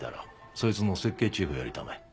そいつの設計チーフをやりたまえ。